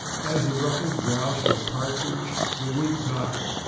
As the ruffed grouse, or partridge, the woodcock.